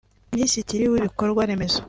Minisitiri w’Ibikorwa Remezo